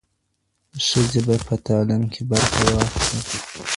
ښځې به په تعلیم کې برخه واخلي.